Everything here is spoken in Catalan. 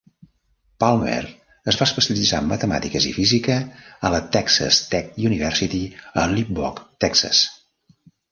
Palmer es va especialitzar en Matemàtiques i Física a la Texas Tech University, a Lubbock (Texas).